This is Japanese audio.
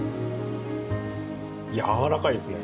やわらかいですね。